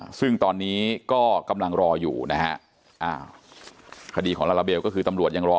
ซึ่งตอนนี้ก็กำลังรออยู่นะฮะอ่าคดีของลาลาเบลก็คือตำรวจยังรอ